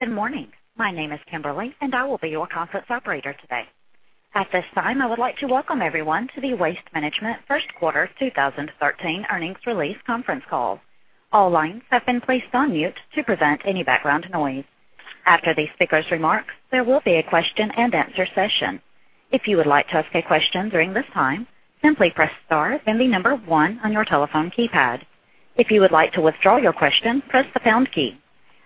Good morning. My name is Kimberly, and I will be your conference operator today. At this time, I would like to welcome everyone to the Waste Management first quarter 2013 earnings release conference call. All lines have been placed on mute to prevent any background noise. After the speakers' remarks, there will be a question-and-answer session. If you would like to ask a question during this time, simply press star, then the number 1 on your telephone keypad. If you would like to withdraw your question, press the pound key.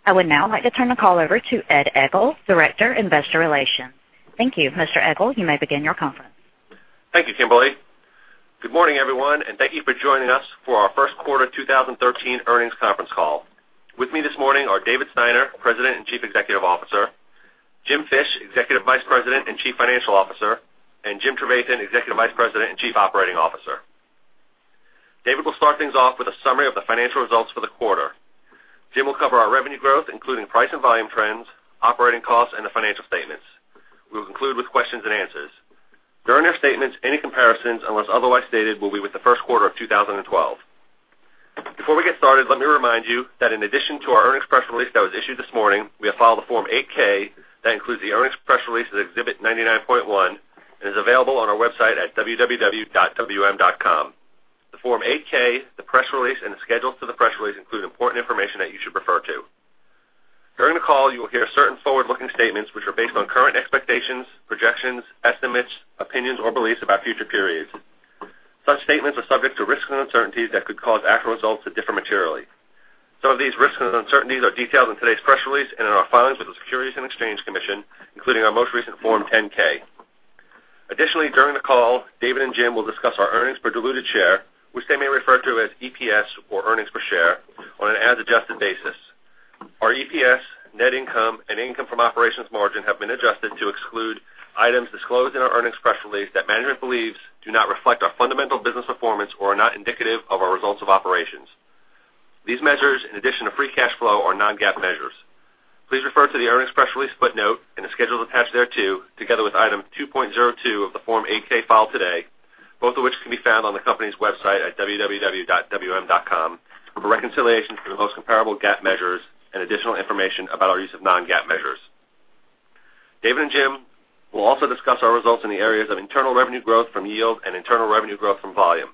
I would now like to turn the call over to Ed Egl, Director, Investor Relations. Thank you, Mr. Egl. You may begin your conference. Thank you, Kimberly. Good morning, everyone, and thank you for joining us for our first quarter 2013 earnings conference call. With me this morning are David Steiner, President and Chief Executive Officer, Jim Fish, Executive Vice President and Chief Financial Officer, and Jim Trevathan, Executive Vice President and Chief Operating Officer. David will start things off with a summary of the financial results for the quarter. Jim will cover our revenue growth, including price and volume trends, operating costs, and the financial statements. We will conclude with questions and answers. During their statements, any comparisons, unless otherwise stated, will be with the first quarter of 2012. Before we get started, let me remind you that in addition to our earnings press release that was issued this morning, we have filed a Form 8-K that includes the earnings press release as Exhibit 99.1 and is available on our website at www.wm.com. The Form 8-K, the press release, and the schedules to the press release include important information that you should refer to. During the call, you will hear certain forward-looking statements, which are based on current expectations, projections, estimates, opinions, or beliefs about future periods. Such statements are subject to risks and uncertainties that could cause actual results to differ materially. Some of these risks and uncertainties are detailed in today's press release and in our filings with the Securities and Exchange Commission, including our most recent Form 10-K. Additionally, during the call, David and Jim will discuss our earnings per diluted share, which they may refer to as EPS or earnings per share on an as-adjusted basis. Our EPS, net income, and income from operations margin have been adjusted to exclude items disclosed in our earnings press release that management believes do not reflect our fundamental business performance or are not indicative of our results of operations. These measures, in addition to free cash flow, are non-GAAP measures. Please refer to the earnings press release footnote and the schedules attached thereto, together with Item 2.02 of the Form 8-K filed today, both of which can be found on the company's website at www.wm.com for reconciliation to the most comparable GAAP measures and additional information about our use of non-GAAP measures. David and Jim will also discuss our results in the areas of internal revenue growth from yield and internal revenue growth from volume.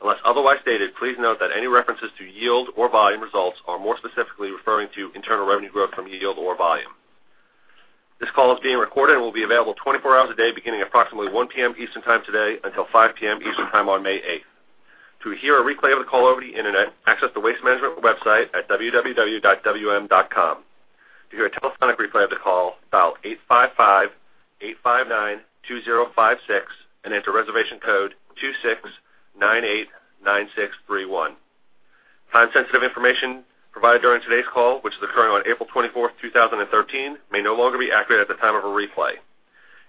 Unless otherwise stated, please note that any references to yield or volume results are more specifically referring to internal revenue growth from yield or volume. This call is being recorded and will be available 24 hours a day, beginning at approximately 1:00 P.M. Eastern Time today until 5:00 P.M. Eastern Time on May 8th. To hear a replay of the call over the Internet, access the Waste Management website at www.wm.com. To hear a telephonic replay of the call, dial 855-859-2056 and enter reservation code 26989631. Time-sensitive information provided during today's call, which is occurring on April 24th, 2013, may no longer be accurate at the time of a replay.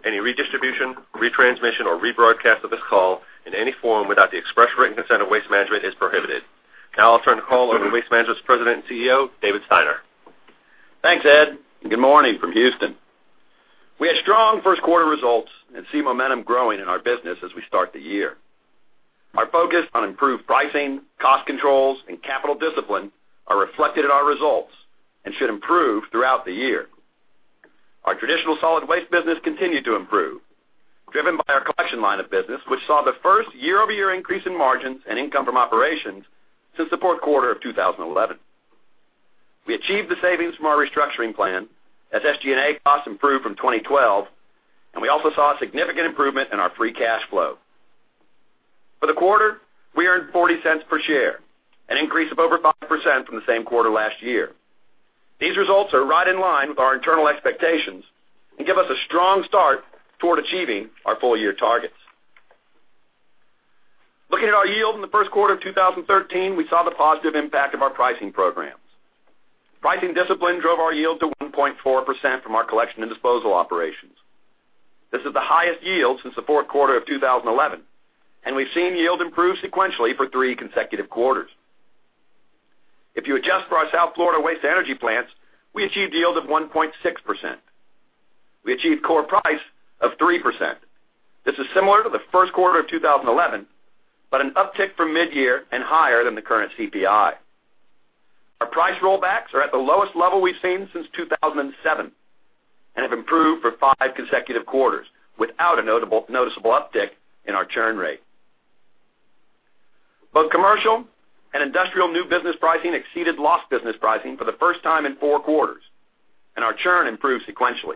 Any redistribution, retransmission, or rebroadcast of this call in any form without the express written consent of Waste Management is prohibited. I'll turn the call over to Waste Management's President and CEO, David Steiner. Thanks, Ed. Good morning from Houston. We had strong first-quarter results and see momentum growing in our business as we start the year. Our focus on improved pricing, cost controls, and capital discipline are reflected in our results and should improve throughout the year. Our traditional solid waste business continued to improve, driven by our collection line of business, which saw the first year-over-year increase in margins and income from operations since the fourth quarter of 2011. We achieved the savings from our restructuring plan as SG&A costs improved from 2012. We also saw a significant improvement in our free cash flow. For the quarter, we earned $0.40 per share, an increase of over 5% from the same quarter last year. These results are right in line with our internal expectations and give us a strong start toward achieving our full-year targets. Looking at our yield in the first quarter of 2013, we saw the positive impact of our pricing programs. Pricing discipline drove our yield to 1.4% from our collection and disposal operations. This is the highest yield since the fourth quarter of 2011. We've seen yield improve sequentially for three consecutive quarters. If you adjust for our South Florida waste-to-energy plants, we achieved yield of 1.6%. We achieved core price of 3%. This is similar to the first quarter of 2011, an uptick from mid-year and higher than the current CPI. Our price rollbacks are at the lowest level we've seen since 2007 and have improved for five consecutive quarters without a noticeable uptick in our churn rate. Both commercial and industrial new business pricing exceeded lost business pricing for the first time in four quarters. Our churn improved sequentially.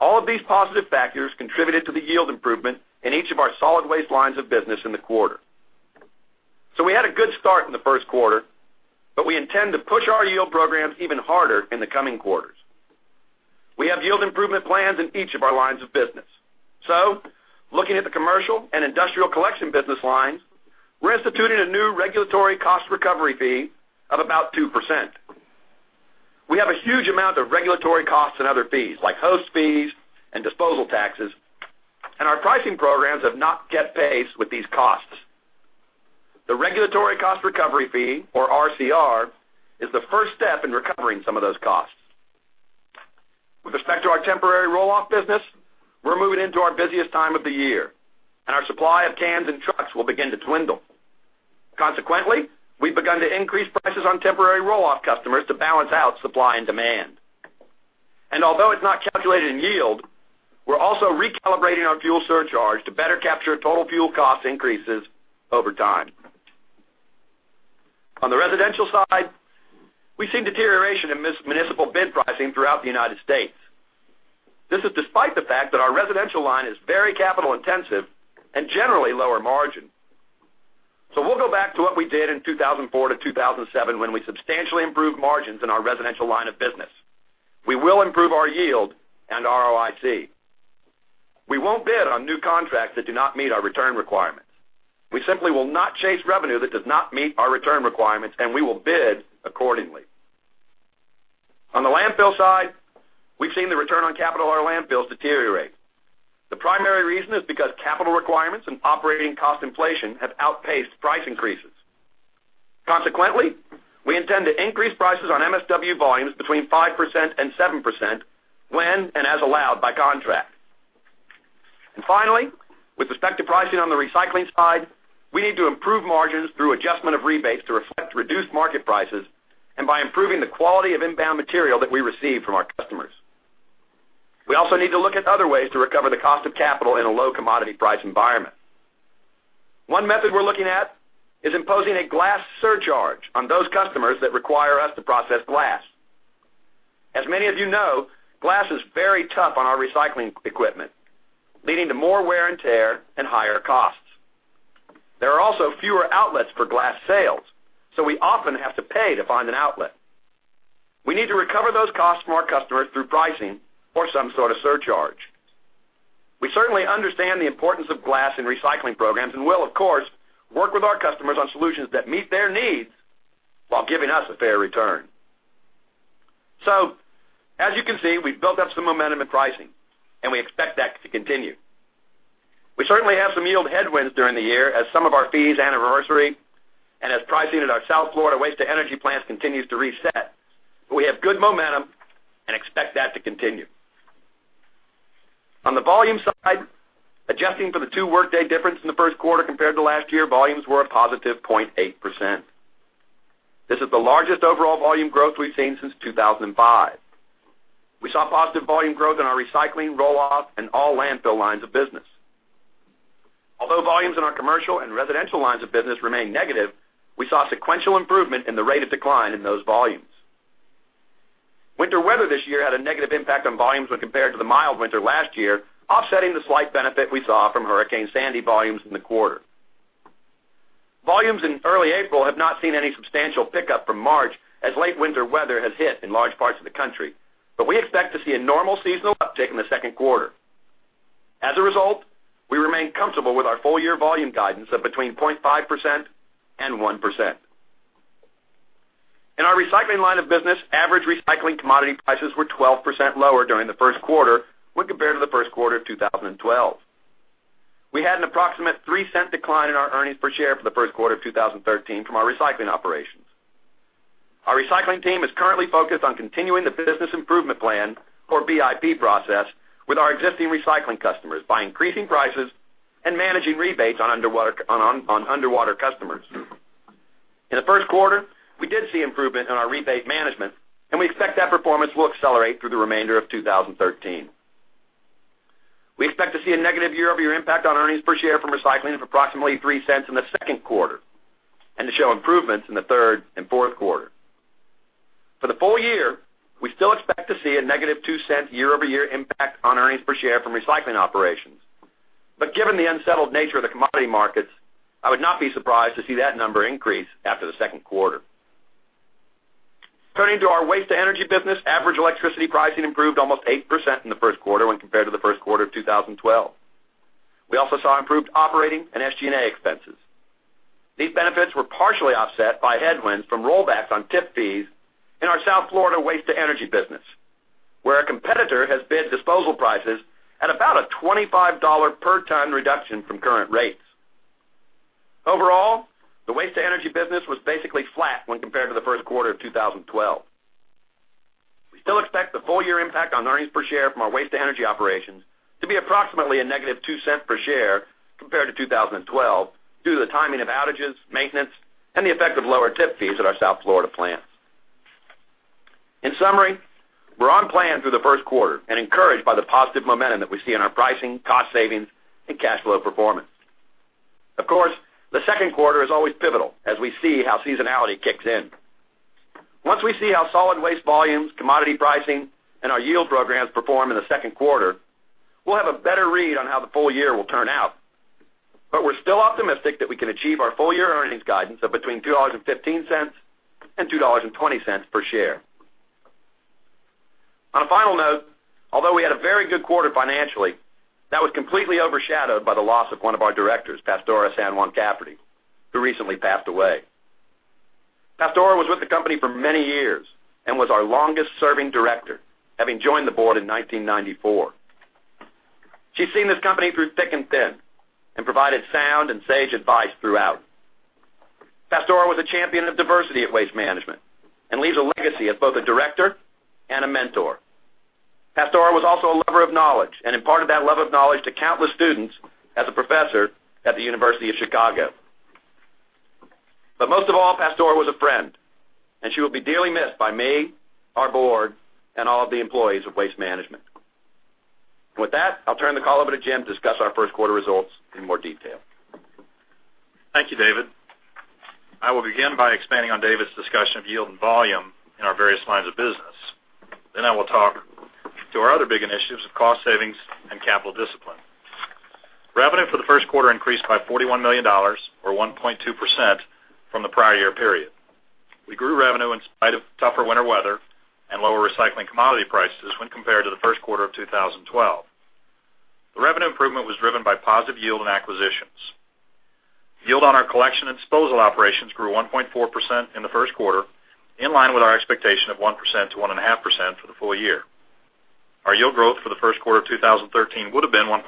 All of these positive factors contributed to the yield improvement in each of our solid waste lines of business in the quarter. We had a good start in the first quarter. We intend to push our yield programs even harder in the coming quarters. We have yield improvement plans in each of our lines of business. Looking at the commercial and industrial collection business lines, we're instituting a new regulatory cost recovery fee of about 2%. We have a huge amount of regulatory costs and other fees, like host fees and disposal taxes. Our pricing programs have not yet paced with these costs. The regulatory cost recovery fee, or RCR, is the first step in recovering some of those costs. With respect to our temporary roll-off business, we're moving into our busiest time of the year, our supply of cans and trucks will begin to dwindle. Consequently, we've begun to increase prices on temporary roll-off customers to balance out supply and demand. Although it's not calculated in yield, we're also recalibrating our fuel surcharge to better capture total fuel cost increases over time. On the residential side, we've seen deterioration in municipal bid pricing throughout the U.S. This is despite the fact that our residential line is very capital intensive and generally lower margin. We'll go back to what we did in 2004 to 2007, when we substantially improved margins in our residential line of business. We will improve our yield and ROIC. We won't bid on new contracts that do not meet our return requirements. We simply will not chase revenue that does not meet our return requirements, we will bid accordingly. On the landfill side, we've seen the return on capital on our landfills deteriorate. The primary reason is because capital requirements and operating cost inflation have outpaced price increases. Consequently, we intend to increase prices on MSW volumes between 5% and 7% when and as allowed by contract. Finally, with respect to pricing on the recycling side, we need to improve margins through adjustment of rebates to reflect reduced market prices and by improving the quality of inbound material that we receive from our customers. We also need to look at other ways to recover the cost of capital in a low commodity price environment. One method we're looking at is imposing a glass surcharge on those customers that require us to process glass. As many of you know, glass is very tough on our recycling equipment, leading to more wear and tear and higher costs. There are also fewer outlets for glass sales, we often have to pay to find an outlet. We need to recover those costs from our customers through pricing or some sort of surcharge. We certainly understand the importance of glass in recycling programs and will, of course, work with our customers on solutions that meet their needs while giving us a fair return. As you can see, we've built up some momentum in pricing, we expect that to continue. We certainly have some yield headwinds during the year as some of our fees anniversary and as pricing at our South Florida waste-to-energy plants continues to reset. We have good momentum and expect that to continue. On the volume side, adjusting for the two work day difference in the first quarter compared to last year, volumes were a positive 0.8%. This is the largest overall volume growth we've seen since 2005. We saw positive volume growth in our recycling roll-off in all landfill lines of business. Although volumes in our commercial and residential lines of business remain negative, we saw sequential improvement in the rate of decline in those volumes. Winter weather this year had a negative impact on volumes when compared to the mild winter last year, offsetting the slight benefit we saw from Hurricane Sandy volumes in the quarter. Volumes in early April have not seen any substantial pickup from March as late winter weather has hit in large parts of the country. We expect to see a normal seasonal uptick in the second quarter. As a result, we remain comfortable with our full-year volume guidance of between 0.5% and 1%. In our recycling line of business, average recycling commodity prices were 12% lower during the first quarter when compared to the first quarter of 2012. We had an approximate $0.03 decline in our earnings per share for the first quarter of 2013 from our recycling operations. Our recycling team is currently focused on continuing the Business Improvement Plan, or BIP process, with our existing recycling customers by increasing prices and managing rebates on underwater customers. In the first quarter, we did see improvement in our rebate management, and we expect that performance will accelerate through the remainder of 2013. We expect to see a negative year-over-year impact on earnings per share from recycling of approximately $0.03 in the second quarter, and to show improvements in the third and fourth quarter. For the full year, we still expect to see a negative $0.02 year-over-year impact on earnings per share from recycling operations. Given the unsettled nature of the commodity markets, I would not be surprised to see that number increase after the second quarter. Turning to our waste-to-energy business, average electricity pricing improved almost 8% in the first quarter when compared to the first quarter of 2012. We also saw improved operating and SG&A expenses. These benefits were partially offset by headwinds from rollbacks on tip fees in our South Florida waste-to-energy business, where a competitor has bid disposal prices at about a $25 per ton reduction from current rates. Overall, the waste-to-energy business was basically flat when compared to the first quarter of 2012. We still expect the full year impact on earnings per share from our waste-to-energy operations to be approximately a negative $0.02 per share compared to 2012 due to the timing of outages, maintenance, and the effect of lower tip fees at our South Florida plant. In summary, we're on plan through the first quarter and encouraged by the positive momentum that we see in our pricing, cost savings, and cash flow performance. Of course, the second quarter is always pivotal as we see how seasonality kicks in. Once we see how solid waste volumes, commodity pricing, and our yield programs perform in the second quarter, we'll have a better read on how the full year will turn out. We're still optimistic that we can achieve our full-year earnings guidance of between $2.15 and $2.20 per share. On a final note, although we had a very good quarter financially, that was completely overshadowed by the loss of one of our directors, Pastora San Juan Cafferty, who recently passed away. Pastora was with the company for many years and was our longest-serving director, having joined the board in 1994. She's seen this company through thick and thin and provided sound and sage advice throughout. Pastora was a champion of diversity at Waste Management and leaves a legacy of both a director and a mentor. Pastora was also a lover of knowledge and imparted that love of knowledge to countless students as a professor at the University of Chicago. Most of all, Pastora was a friend, and she will be dearly missed by me, our board, and all of the employees of Waste Management. With that, I'll turn the call over to Jim to discuss our first quarter results in more detail. Thank you, David. I will begin by expanding on David's discussion of yield and volume in our various lines of business. I will talk to our other big initiatives of cost savings and capital discipline. Revenue for the first quarter increased by $41 million, or 1.2% from the prior year period. We grew revenue in spite of tougher winter weather and lower recycling commodity prices when compared to the first quarter of 2012. The revenue improvement was driven by positive yield and acquisitions. Yield on our collection and disposal operations grew 1.4% in the first quarter, in line with our expectation of 1%-1.5% for the full year. Our yield growth for the first quarter of 2013 would have been 1.6%,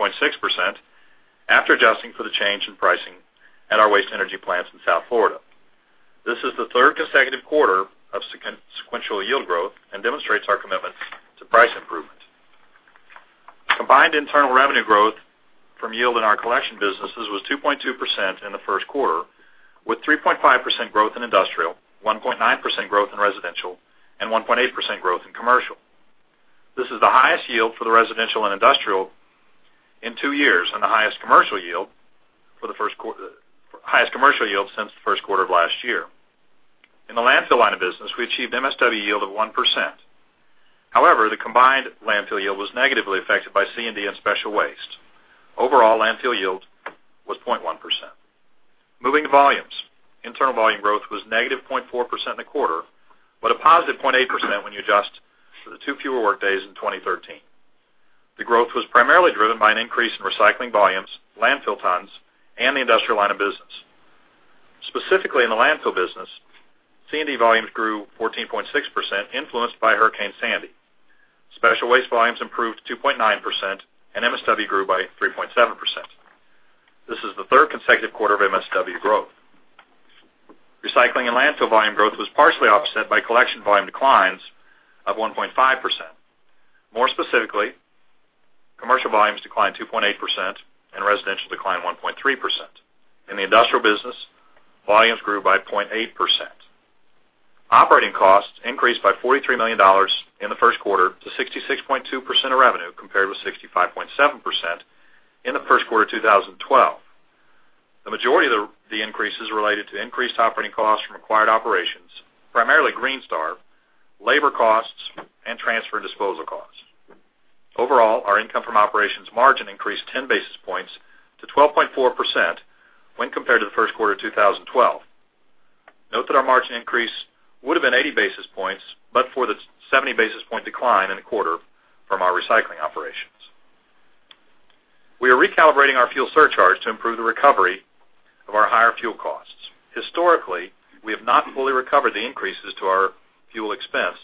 after adjusting for the change in pricing at our waste energy plants in South Florida. This is the third consecutive quarter of sequential yield growth and demonstrates our commitment to price improvement. Combined internal revenue growth from yield in our collection businesses was 2.2% in the first quarter, with 3.5% growth in industrial, 1.9% growth in residential, and 1.8% growth in commercial. This is the highest yield for the residential and industrial in two years, and the highest commercial yield since the first quarter of last year. In the landfill line of business, we achieved MSW yield of 1%. However, the combined landfill yield was negatively affected by C&D and special waste. Overall, landfill yield was 0.1%. Moving to volumes. Internal volume growth was -0.4% in the quarter, but a positive 0.8% when you adjust for the two fewer workdays in 2013. The growth was primarily driven by an increase in recycling volumes, landfill tons, and the industrial line of business. Specifically in the landfill business, C&D volumes grew 14.6%, influenced by Hurricane Sandy. Special waste volumes improved 2.9%, and MSW grew by 3.7%. This is the third consecutive quarter of MSW growth. Recycling and landfill volume growth was partially offset by collection volume declines of 1.5%. More specifically, commercial volumes declined 2.8% and residential declined 1.3%. In the industrial business, volumes grew by 0.8%. Operating costs increased by $43 million in the first quarter to 66.2% of revenue, compared with 65.7% in the first quarter of 2012. The majority of the increases related to increased operating costs from acquired operations, primarily Greenstar, labor costs, and transfer and disposal costs. Overall, our income from operations margin increased 10 basis points to 12.4% when compared to the first quarter of 2012. Note that our margin increase would have been 80 basis points but for the 70 basis point decline in the quarter from our recycling operations. We are recalibrating our fuel surcharge to improve the recovery of our higher fuel costs. Historically, we have not fully recovered the increases to our fuel expense.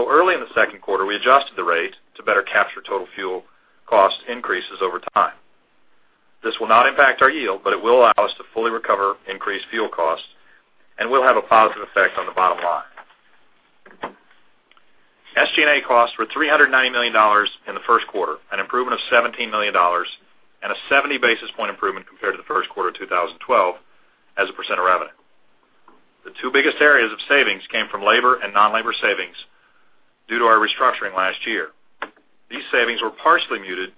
Early in the second quarter, we adjusted the rate to better capture total fuel cost increases over time. This will not impact our yield. It will allow us to fully recover increased fuel costs and will have a positive effect on the bottom line. SG&A costs were $390 million in the first quarter, an improvement of $17 million and a 70 basis point improvement compared to the first quarter of 2012 as a percent of revenue. The two biggest areas of savings came from labor and non-labor savings due to our restructuring last year. These savings were partially muted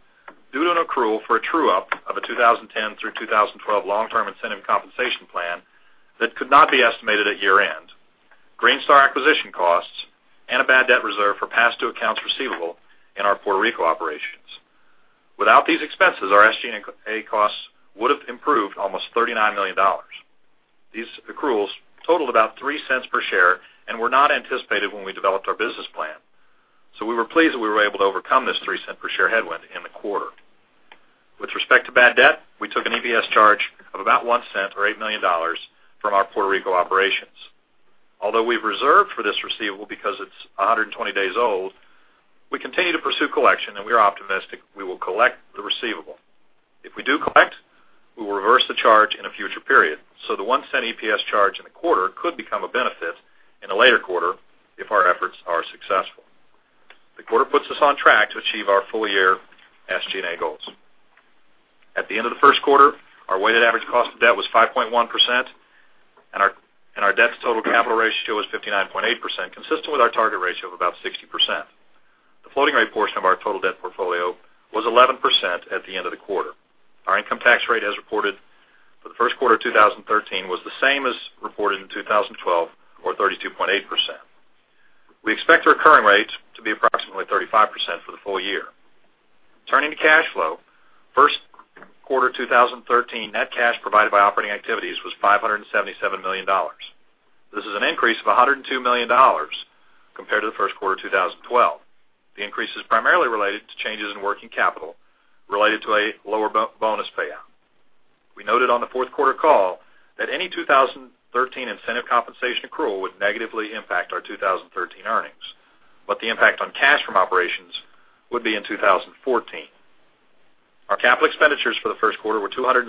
due to an accrual for a true-up of a 2010 through 2012 long-term incentive compensation plan that could not be estimated at year-end, Greenstar Recycling acquisition costs, and a bad debt reserve for past due accounts receivable in our Puerto Rico operations. Without these expenses, our SG&A costs would have improved almost $39 million. These accruals totaled about $0.03 per share and were not anticipated when we developed our business plan. We were pleased that we were able to overcome this $0.03 per share headwind in the quarter. With respect to bad debt, we took an EPS charge of about $0.01 or $8 million from our Puerto Rico operations. Although we've reserved for this receivable because it's 120 days old, we continue to pursue collection, and we are optimistic we will collect the receivable. If we do collect, we will reverse the charge in a future period. The $0.01 EPS charge in the quarter could become a benefit in a later quarter if our efforts are successful. The quarter puts us on track to achieve our full year SG&A goals. At the end of the first quarter, our weighted average cost of debt was 5.1%, and our debt to total capital ratio was 59.8%, consistent with our target ratio of about 60%. The floating rate portion of our total debt portfolio was 11% at the end of the quarter. Our income tax rate, as reported for the first quarter of 2013, was the same as reported in 2012 or 32.8%. We expect the recurring rate to be approximately 35% for the full year. Turning to cash flow. First quarter 2013, net cash provided by operating activities was $577 million. This is an increase of $102 million compared to the first quarter of 2012. The increase is primarily related to changes in working capital related to a lower bonus payout. We noted on the fourth quarter call that any 2013 incentive compensation accrual would negatively impact our 2013 earnings. The impact on cash from operations would be in 2014. Our capital expenditures for the first quarter were $266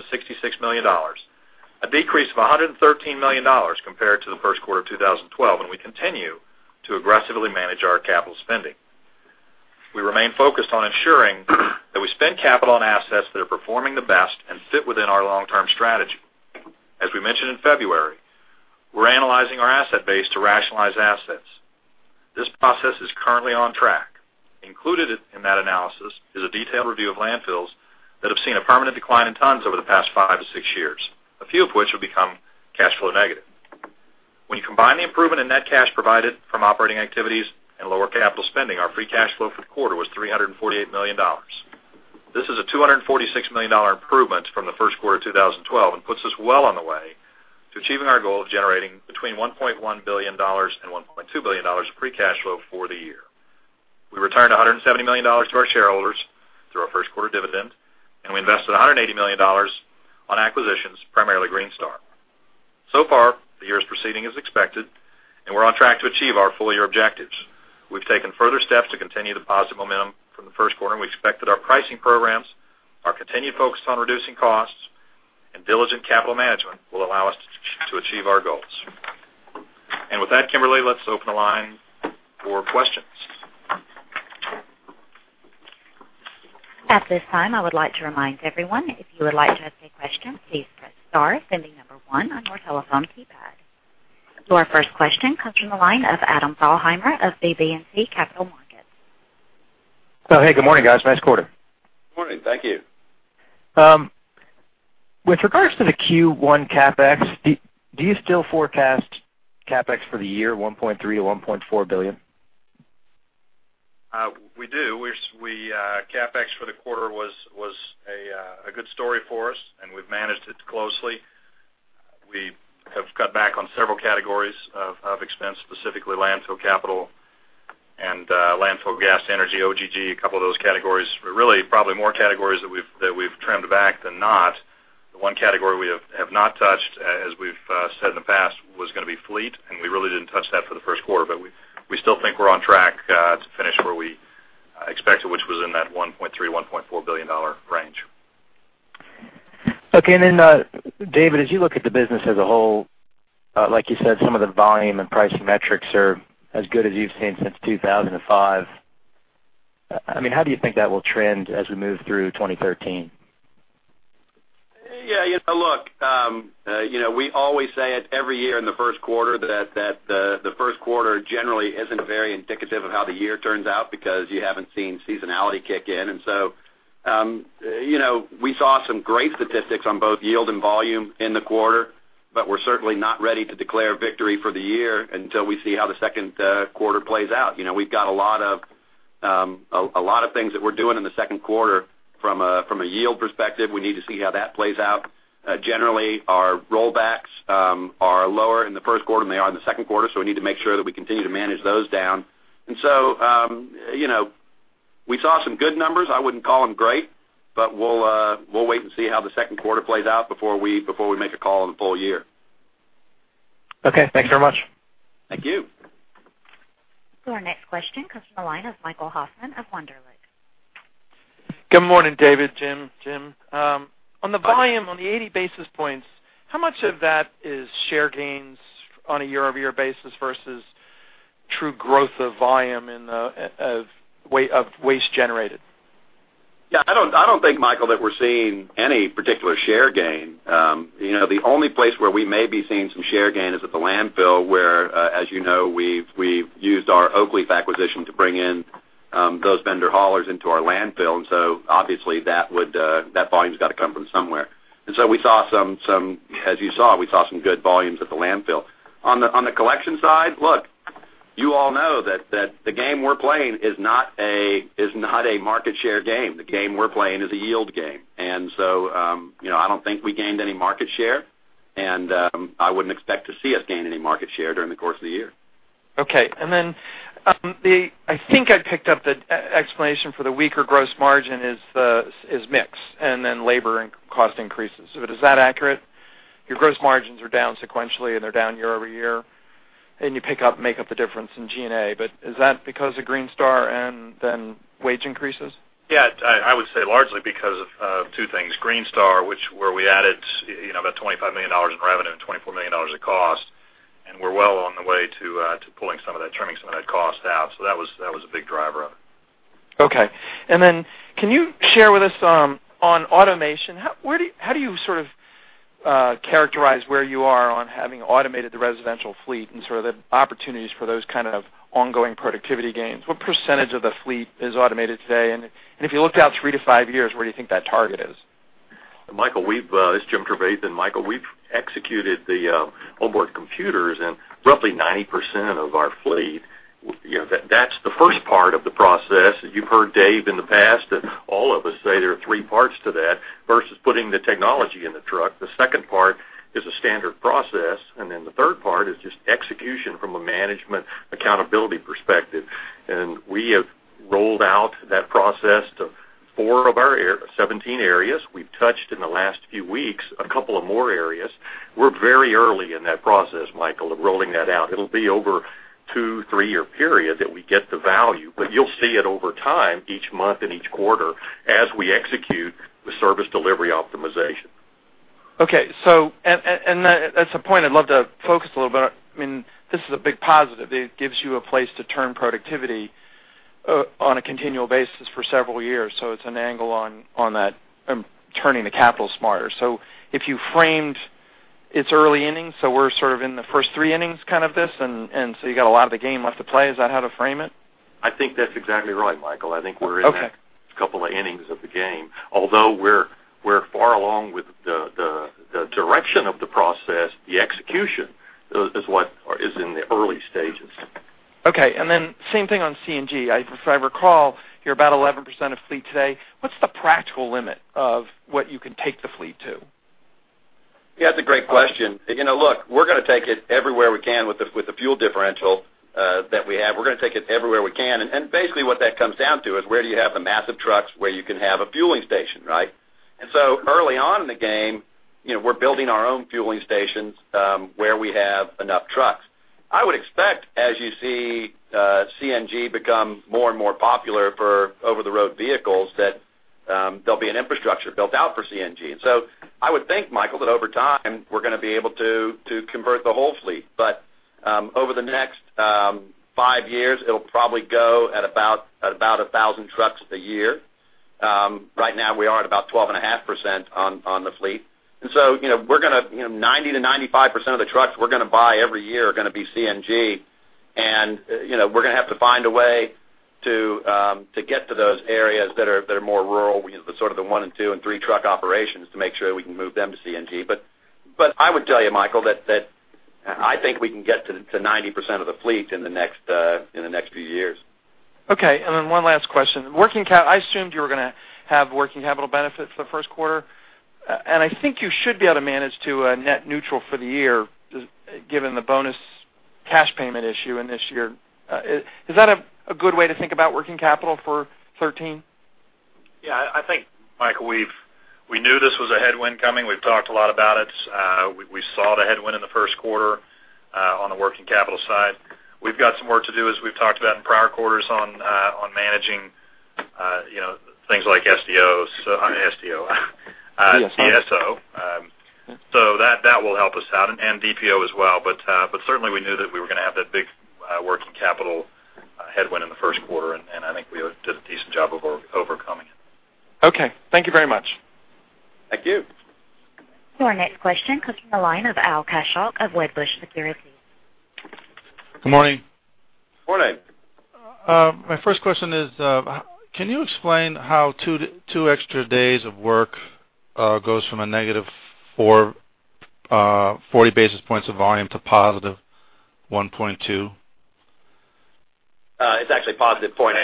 million, a decrease of $113 million compared to the first quarter of 2012. We continue to aggressively manage our capital spending. We remain focused on ensuring that we spend capital on assets that are performing the best and fit within our long-term strategy. As we mentioned in February, we're analyzing our asset base to rationalize assets. This process is currently on track. Included in that analysis is a detailed review of landfills that have seen a permanent decline in tons over the past five to six years, a few of which have become cash flow negative. When you combine the improvement in net cash provided from operating activities and lower capital spending, our free cash flow for the quarter was $348 million. This is a $246 million improvement from the first quarter of 2012 and puts us well on the way to achieving our goal of generating between $1.1 billion and $1.2 billion of free cash flow for the year. We returned $170 million to our shareholders through our first-quarter dividend, we invested $180 million on acquisitions, primarily Greenstar. Far, the year is proceeding as expected, we're on track to achieve our full-year objectives. We've taken further steps to continue the positive momentum from the first quarter, we expect that our pricing programs, our continued focus on reducing costs, and diligent capital management will allow us to achieve our goals. With that, Kimberly, let's open the line for questions. At this time, I would like to remind everyone, if you would like to ask a question, please press star, then the number one on your telephone keypad. Our first question comes from the line of Adam Thalhimer of BB&T Capital Markets. Hey, good morning, guys. Nice quarter. Morning. Thank you. With regards to the Q1 CapEx, do you still forecast CapEx for the year $1.3 billion-$1.4 billion? We do. CapEx for the quarter was a good story for us, and we've managed it closely. We have cut back on several categories of expense, specifically landfill capital and landfill gas energy, LFGTE, a couple of those categories. Really, probably more categories that we've trimmed back than not. The one category we have not touched, as we've said in the past, was going to be fleet, and we really didn't touch that for the first quarter. We still think we're on track to finish where we expected, which was in that $1.3 billion-$1.4 billion range. Okay. David, as you look at the business as a whole, like you said, some of the volume and pricing metrics are as good as you've seen since 2005. How do you think that will trend as we move through 2013? Yeah, look, we always say it every year in the first quarter that the first quarter generally isn't very indicative of how the year turns out because you haven't seen seasonality kick in. We saw some great statistics on both yield and volume in the quarter, but we're certainly not ready to declare victory for the year until we see how the second quarter plays out. We've got a lot of things that we're doing in the second quarter from a yield perspective. We need to see how that plays out. Generally, our rollbacks are lower in the first quarter than they are in the second quarter, so we need to make sure that we continue to manage those down. We saw some good numbers. I wouldn't call them great. We'll wait and see how the second quarter plays out before we make a call on the full year. Okay. Thanks very much. Thank you. Our next question comes from the line of Michael Hoffman of Wunderlich. Good morning, David, Jim. On the volume, on the 80 basis points, how much of that is share gains on a year-over-year basis versus true growth of volume of waste generated? I don't think, Michael, that we're seeing any particular share gain. The only place where we may be seeing some share gain is at the landfill, where, as you know, we've used our Oakleaf acquisition to bring in those vendor haulers into our landfill. Obviously, that volume's got to come from somewhere. As you saw, we saw some good volumes at the landfill. On the collection side, look, you all know that the game we're playing is not a market share game. The game we're playing is a yield game. I don't think we gained any market share, and I wouldn't expect to see us gain any market share during the course of the year. Okay. I think I picked up the explanation for the weaker gross margin is mix and then labor and cost increases. Is that accurate? Your gross margins are down sequentially, and they're down year-over-year, and you make up the difference in G&A. Is that because of Greenstar and then wage increases? I would say largely because of two things. Greenstar, where we added about $25 million in revenue and $24 million of cost, and we're well on the way to trimming some of that cost out. That was a big driver of it. Okay. Can you share with us on automation? How do you characterize where you are on having automated the residential fleet and the opportunities for those kind of ongoing productivity gains? What percentage of the fleet is automated today, and if you looked out three to five years, where do you think that target is? Michael, this is Jim Trevathan. Michael, we've executed the onboard computers in roughly 90% of our fleet. That's the first part of the process. You've heard Dave in the past and all of us say there are three parts to that versus putting the technology in the truck. The second part is a standard process, the third part is just execution from a management accountability perspective. We have We rolled out that process to four of our 17 areas. We've touched in the last few weeks, a couple of more areas. We're very early in that process, Michael, of rolling that out. It'll be over two, three-year period that we get the value, you'll see it over time, each month and each quarter as we execute the service delivery optimization. Okay. That's a point I'd love to focus a little bit on. This is a big positive. It gives you a place to turn productivity on a continual basis for several years. It's an angle on that, turning the capital smarter. If you framed its early innings, we're sort of in the first three innings kind of this, you got a lot of the game left to play. Is that how to frame it? I think that's exactly right, Michael. Okay couple of innings of the game. Although we're far along with the direction of the process, the execution is what is in the early stages. Okay. Same thing on CNG. If I recall, you're about 11% of fleet today. What's the practical limit of what you can take the fleet to? Yeah, it's a great question. Look, we're going to take it everywhere we can with the fuel differential that we have. We're going to take it everywhere we can. Basically what that comes down to is where do you have the massive trucks, where you can have a fueling station, right? Early on in the game, we're building our own fueling stations, where we have enough trucks. I would expect, as you see CNG become more and more popular for over-the-road vehicles, that there'll be an infrastructure built out for CNG. I would think, Michael, that over time, we're going to be able to convert the whole fleet. Over the next 5 years, it'll probably go at about 1,000 trucks a year. Right now, we are at about 12.5% on the fleet. 90%-95% of the trucks we're going to buy every year are going to be CNG, and we're going to have to find a way to get to those areas that are more rural, the sort of the one and two and three truck operations to make sure we can move them to CNG. I would tell you, Michael, that I think we can get to 90% of the fleet in the next few years. Okay. One last question. I assumed you were going to have working capital benefits for the first quarter. I think you should be able to manage to a net neutral for the year, given the bonus cash payment issue in this year. Is that a good way to think about working capital for 2013? Yeah. I think, Michael, we knew this was a headwind coming. We've talked a lot about it. We saw the headwind in the first quarter on the working capital side. We've got some work to do, as we've talked about in prior quarters, on managing things like DSOs. DSO DSO. That will help us out, and DPO as well. Certainly we knew that we were going to have that big working capital headwind in the first quarter, and I think we did a decent job of overcoming it. Okay. Thank you very much. Thank you. Your next question comes from the line of Al Kaschalk of Wedbush Securities. Good morning. Morning. My first question is, can you explain how two extra days of work goes from a negative 40 basis points of volume to positive 1.2? It's actually positive 0.8,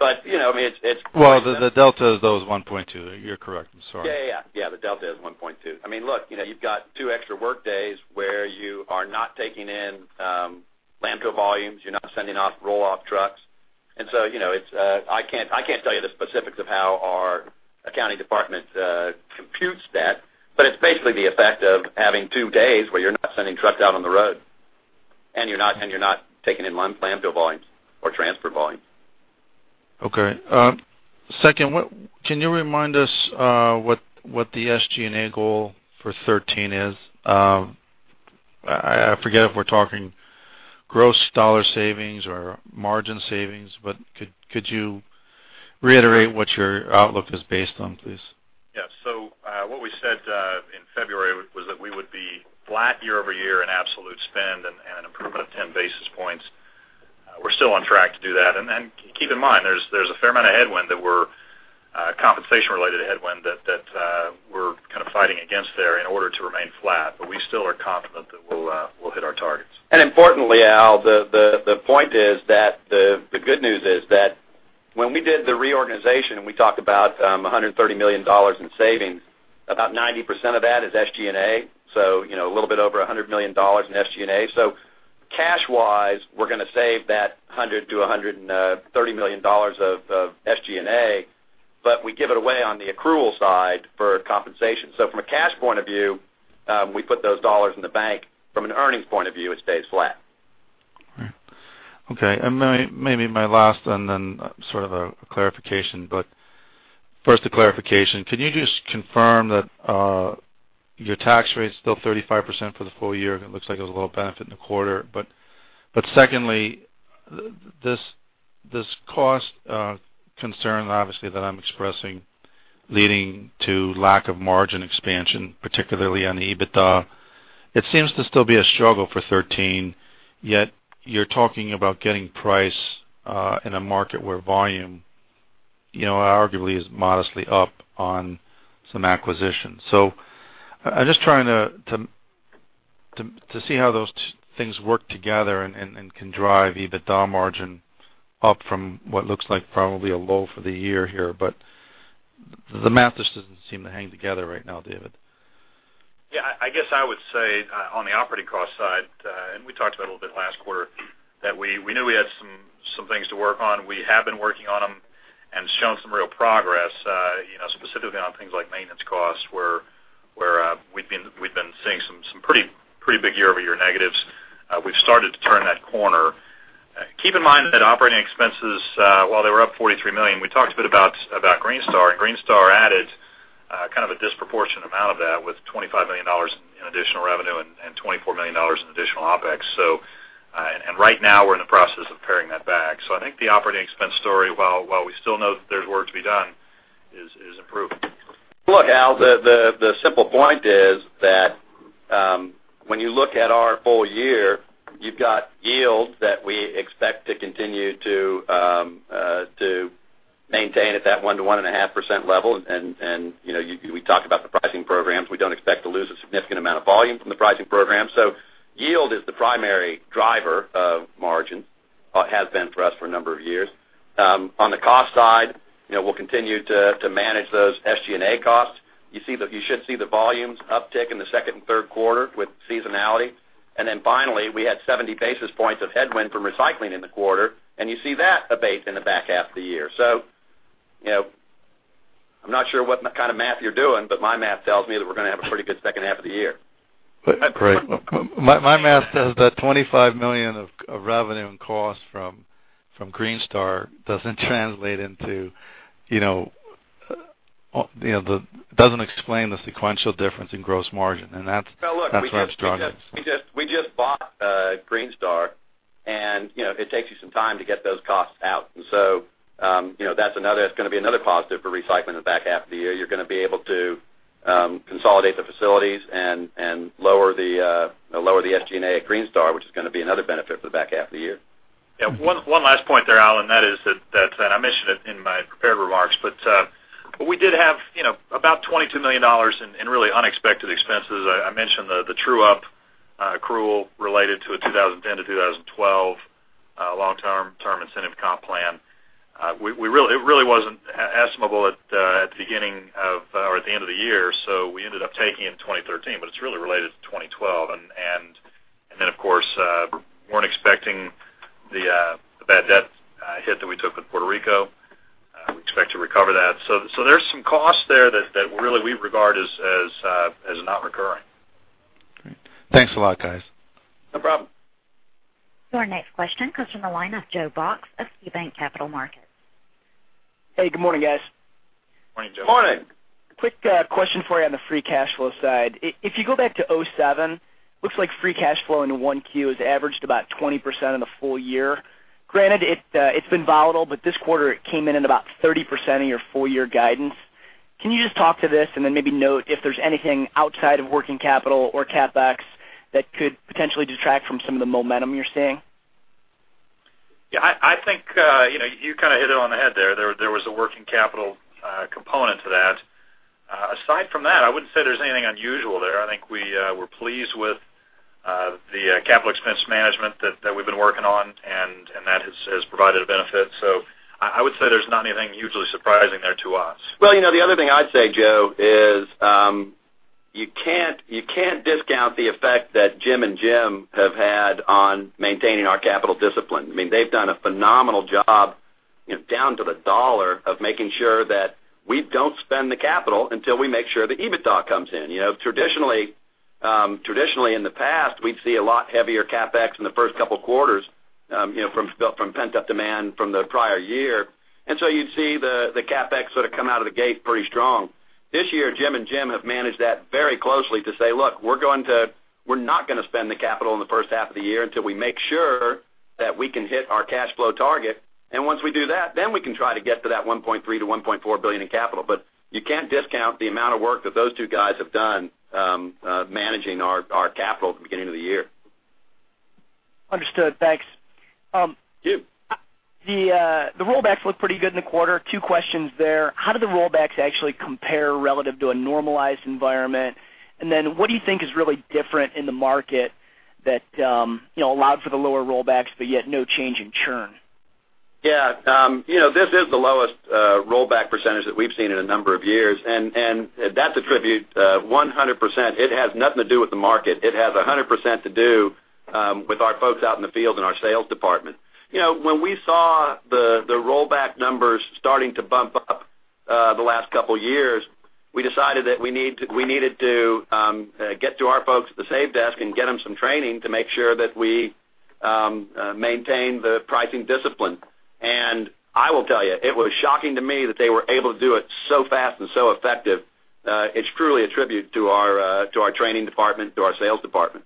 I mean. Well, the delta of those 1.2. You're correct. I'm sorry. Yeah. The delta is 1.2. Look, you've got two extra work days where you are not taking in landfill volumes. You're not sending off roll-off trucks. I can't tell you the specifics of how our accounting department computes that, but it's basically the effect of having two days where you're not sending trucks out on the road, and you're not taking in landfill volumes or transfer volumes. Okay. Second one, can you remind us what the SG&A goal for 2013 is? I forget if we're talking gross dollar savings or margin savings, but could you reiterate what your outlook is based on, please? Yes. What we said in February was that we would be flat year-over-year in absolute spend and an improvement of 10 basis points. We're still on track to do that. Keep in mind, there's a fair amount of compensation-related headwind that we're kind of fighting against there in order to remain flat. We still are confident that we'll hit our targets. Importantly, Al, the point is that the good news is that when we did the reorganization and we talked about $130 million in savings, about 90% of that is SG&A, a little bit over $100 million in SG&A. Cash-wise, we're going to save that $100 million-$130 million of SG&A, but we give it away on the accrual side for compensation. From a cash point of view, we put those dollars in the bank. From an earnings point of view, it stays flat. Maybe my last, then sort of a clarification. First the clarification. Can you just confirm that your tax rate's still 35% for the full year? It looks like it was a little benefit in the quarter. Secondly, this cost concern, obviously, that I'm expressing leading to lack of margin expansion, particularly on EBITDA, it seems to still be a struggle for 2013, yet you're talking about getting price in a market where volume arguably is modestly up on some acquisitions. I'm just trying to see how those things work together and can drive EBITDA margin up from what looks like probably a low for the year here, but the math just doesn't seem to hang together right now, David. Yeah, I guess I would say on the operating cost side, and we talked a little bit last quarter, that we knew we had some things to work on. We have been working on them and shown some real progress, specifically on things like maintenance costs, where we've been seeing some pretty big year-over-year negatives. We've started to turn that corner. Keep in mind that operating expenses, while they were up $43 million, we talked a bit about Greenstar, and Greenstar added a disproportionate amount of that with $25 million in additional revenue and $24 million in additional OpEx. Right now we're in the process of paring that back. I think the operating expense story, while we still know that there's work to be done, is improved. Look, Al, the simple point is that when you look at our full year, you've got yield that we expect to continue to maintain at that 1%-1.5% level. We talked about the pricing programs. We don't expect to lose a significant amount of volume from the pricing program. Yield is the primary driver of margin, or it has been for us for a number of years. On the cost side, we'll continue to manage those SG&A costs. You should see the volumes uptick in the second and third quarter with seasonality. Finally, we had 70 basis points of headwind from recycling in the quarter, and you see that abate in the back half of the year. I'm not sure what kind of math you're doing, but my math tells me that we're going to have a pretty good second half of the year. Great. My math says that $25 million of revenue and cost from Greenstar doesn't explain the sequential difference in gross margin. That's where I'm struggling. Look, we just bought Greenstar, it takes you some time to get those costs out. So that's going to be another positive for recycling in the back half of the year. You're going to be able to consolidate the facilities and lower the SG&A at Greenstar, which is going to be another benefit for the back half of the year. One last point there, Al, that is that, I mentioned it in my prepared remarks, we did have about $22 million in really unexpected expenses. I mentioned the true-up accrual related to a 2010 to 2012 long-term incentive comp plan. It really wasn't estimable at the beginning of, or at the end of the year, we ended up taking it in 2013, it's really related to 2012. Then, of course, we weren't expecting the bad debt hit that we took with Puerto Rico. We expect to recover that. There's some costs there that really we regard as not recurring. Great. Thanks a lot, guys. No problem. Your next question comes from the line of Joe Box of KeyBanc Capital Markets. Hey, good morning, guys. Morning, Joe. Morning. Quick question for you on the free cash flow side. If you go back to 2007, looks like free cash flow into 1Q has averaged about 20% of the full year. Granted, it's been volatile, but this quarter it came in at about 30% of your full-year guidance. Can you just talk to this and then maybe note if there's anything outside of working capital or CapEx that could potentially detract from some of the momentum you're seeing? Yeah, I think you hit it on the head there. There was a working capital component to that. Aside from that, I wouldn't say there's anything unusual there. I think we're pleased with the capital expense management that we've been working on, and that has provided a benefit. I would say there's not anything hugely surprising there to us. Well, the other thing I'd say, Joe, is you can't discount the effect that Jim and Jim have had on maintaining our capital discipline. They've done a phenomenal job down to the dollar of making sure that we don't spend the capital until we make sure the EBITDA comes in. Traditionally in the past, we'd see a lot heavier CapEx in the first couple of quarters, from pent-up demand from the prior year. You'd see the CapEx sort of come out of the gate pretty strong. This year, Jim and Jim have managed that very closely to say, "Look, we're not going to spend the capital in the first half of the year until we make sure that we can hit our cash flow target. Once we do that, then we can try to get to that $1.3 billion-$1.4 billion in capital." You can't discount the amount of work that those two guys have done managing our capital at the beginning of the year. Understood. Thanks. Thank you. The rollbacks looked pretty good in the quarter. Two questions there. How do the rollbacks actually compare relative to a normalized environment? What do you think is really different in the market that allowed for the lower rollbacks, but yet no change in churn? This is the lowest rollback percentage that we've seen in a number of years, and that's attributed 100%-- it has nothing to do with the market. It has 100% to do with our folks out in the field and our sales department. When we saw the rollback numbers starting to bump up the last couple of years, we decided that we needed to get to our folks at the save desk and get them some training to make sure that we maintain the pricing discipline. I will tell you, it was shocking to me that they were able to do it so fast and so effective. It's truly a tribute to our training department, to our sales department.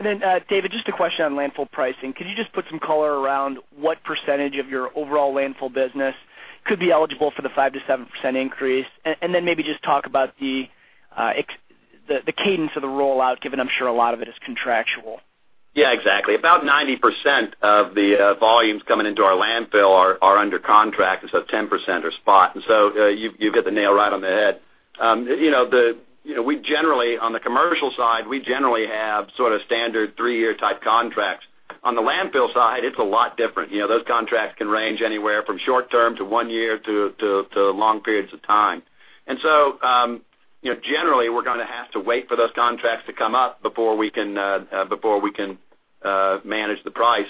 David, just a question on landfill pricing. Could you just put some color around what percentage of your overall landfill business could be eligible for the 5%-7% increase? Maybe just talk about the cadence of the rollout, given I'm sure a lot of it is contractual. Yeah, exactly. About 90% of the volumes coming into our landfill are under contract, 10% are spot. You hit the nail right on the head. On the commercial side, we generally have sort of standard three-year type contracts. On the landfill side, it's a lot different. Those contracts can range anywhere from short-term to one year to long periods of time. Generally, we're going to have to wait for those contracts to come up before we can manage the price.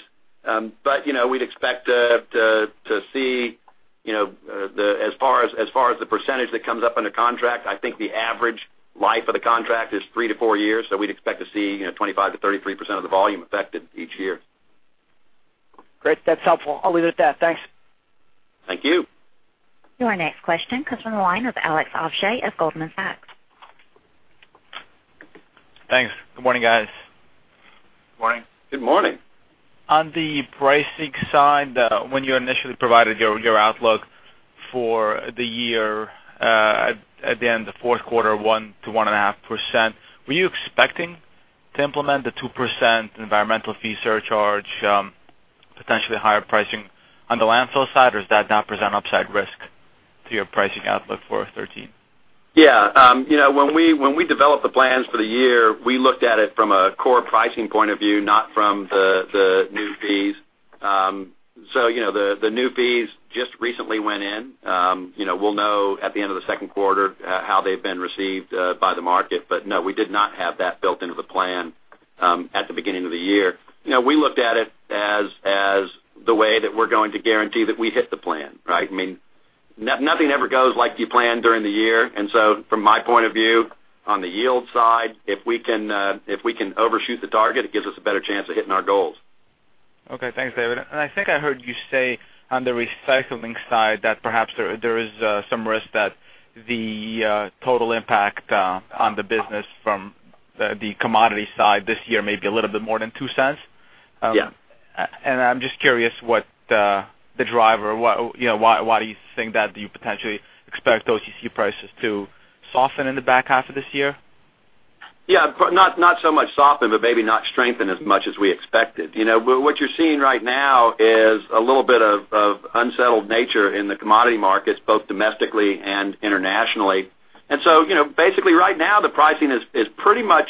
We'd expect to see, as far as the percentage that comes up under contract, I think the average life of the contract is three to four years. We'd expect to see 25%-33% of the volume affected each year. Great. That's helpful. I'll leave it at that. Thanks. Thank you. Your next question comes from the line of Alex Ovshey of Goldman Sachs. Thanks. Good morning, guys. Good morning. Good morning. On the pricing side, when you initially provided your outlook for the year, at the end of the fourth quarter, 1%-1.5%, were you expecting to implement the 2% environmental fee surcharge, potentially higher pricing on the landfill side, or does that now present upside risk to your pricing outlook for 2013? When we developed the plans for the year, we looked at it from a core pricing point of view, not from the new fees. The new fees just recently went in. We'll know at the end of the second quarter how they've been received by the market. No, we did not have that built into the plan at the beginning of the year. We looked at it as the way that we're going to guarantee that we hit the plan, right? Nothing ever goes like you plan during the year. From my point of view, on the yield side, if we can overshoot the target, it gives us a better chance of hitting our goals. Okay. Thanks, David. I think I heard you say on the recycling side that perhaps there is some risk that the total impact on the business from the commodity side this year may be a little bit more than $0.02. Yeah. I'm just curious what the driver, why do you think that you potentially expect OCC prices to soften in the back half of this year? Yeah. Not so much soften, but maybe not strengthen as much as we expected. What you're seeing right now is a little bit of unsettled nature in the commodity markets, both domestically and internationally. Basically right now, the pricing is pretty much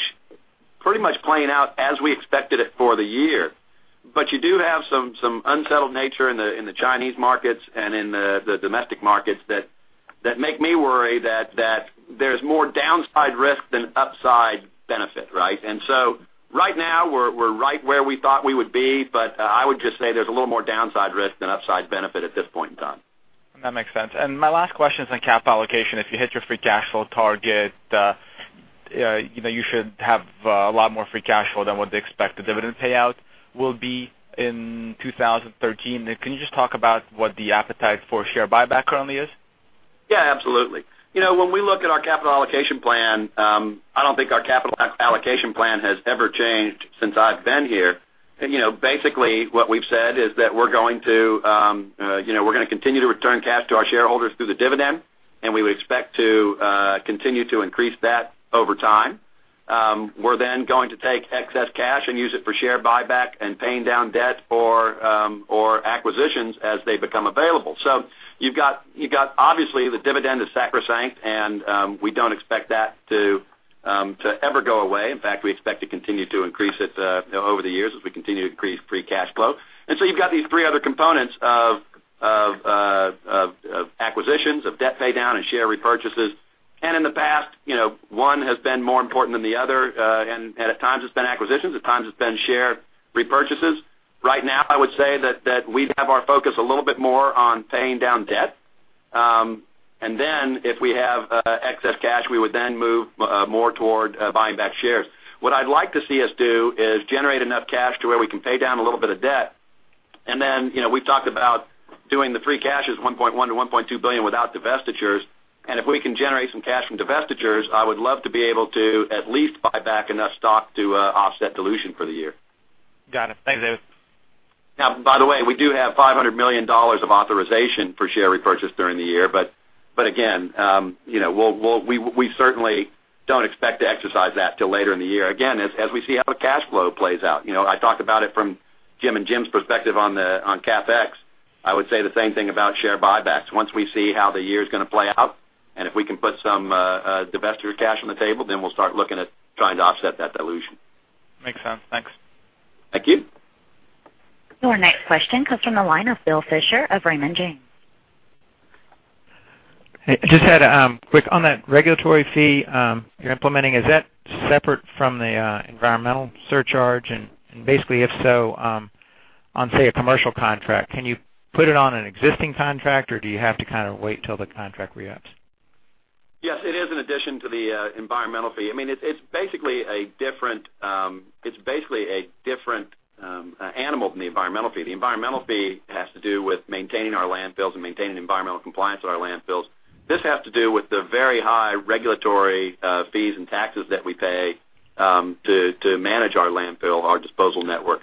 playing out as we expected it for the year. You do have some unsettled nature in the Chinese markets and in the domestic markets that make me worry that there's more downside risk than upside benefit, right? Right now, we're right where we thought we would be, but I would just say there's a little more downside risk than upside benefit at this point in time. That makes sense. My last question is on cap allocation. If you hit your free cash flow target, you should have a lot more free cash flow than what the expected dividend payout will be in 2013. Can you just talk about what the appetite for share buyback currently is? Yeah, absolutely. When we look at our capital allocation plan, I don't think our capital allocation plan has ever changed since I've been here. Basically, what we've said is that we're going to continue to return cash to our shareholders through the dividend, and we would expect to continue to increase that over time. We're then going to take excess cash and use it for share buyback and paying down debt or acquisitions as they become available. You've got, obviously, the dividend is sacrosanct, and we don't expect that to ever go away. In fact, we expect to continue to increase it over the years as we continue to increase free cash flow. So you've got these three other components of acquisitions, of debt paydown, and share repurchases. In the past, one has been more important than the other, and at times it's been acquisitions, at times it's been share repurchases. Right now, I would say that we have our focus a little bit more on paying down debt. If we have excess cash, we would then move more toward buying back shares. What I'd like to see us do is generate enough cash to where we can pay down a little bit of debt. Then, we've talked about doing the free cash is $1.1 billion-$1.2 billion without divestitures. If we can generate some cash from divestitures, I would love to be able to at least buy back enough stock to offset dilution for the year. Got it. Thanks, David. By the way, we do have $500 million of authorization for share repurchase during the year, but again, we certainly don't expect to exercise that till later in the year. Again, as we see how the cash flow plays out. I talked about it from Jim and Jim's perspective on CapEx. I would say the same thing about share buybacks. Once we see how the year is going to play out, and if we can put some divestiture cash on the table, we'll start looking at trying to offset that dilution. Makes sense. Thanks. Thank you. Your next question comes from the line of Phil Fisher of Raymond James. just had a quick on that regulatory fee you're implementing. Is that separate from the environmental surcharge? Basically, if so, on, say, a commercial contract, can you put it on an existing contract, or do you have to kind of wait till the contract re-ups? Yes, it is an addition to the environmental fee. It's basically a different animal from the environmental fee. The environmental fee has to do with maintaining our landfills and maintaining environmental compliance at our landfills. This has to do with the very high regulatory fees and taxes that we pay to manage our landfill, our disposal network.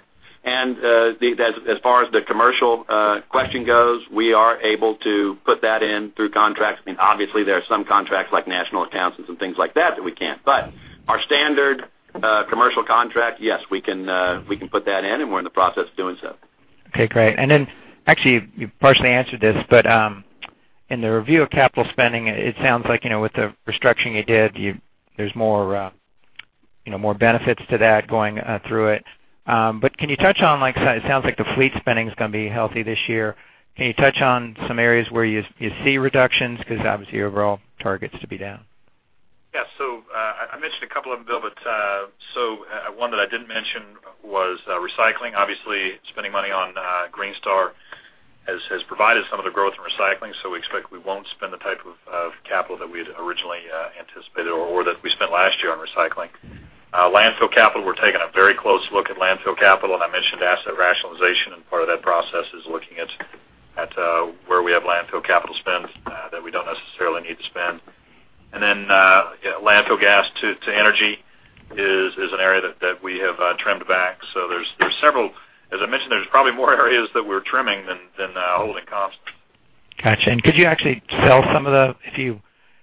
As far as the commercial question goes, we are able to put that in through contracts. Obviously, there are some contracts like national accounts and some things like that that we can't. Our standard commercial contract, yes, we can put that in, and we're in the process of doing so. Okay, great. Then actually, you partially answered this. In the review of capital spending, it sounds like with the restructuring you did, there's more benefits to that going through it. Can you touch on, it sounds like the fleet spending is going to be healthy this year. Can you touch on some areas where you see reductions? Because obviously your overall target is to be down. Yes. I mentioned a couple of them, Phil. One that I didn't mention was recycling. Obviously, spending money on Greenstar has provided some of the growth in recycling. We expect we won't spend the type of capital that we had originally anticipated or that we spent last year on recycling. Landfill capital, we're taking a very close look at landfill capital. I mentioned asset rationalization, and part of that process is looking at where we have landfill capital spend that we don't necessarily need to spend. Then landfill gas to energy is an area that we have trimmed back. As I mentioned, there's probably more areas that we're trimming than holding costs. Got you. Could you actually sell some of the If you